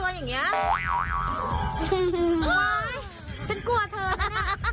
ไปเล่นสังเกตทำไมสังเกตจังตัวอย่างนี้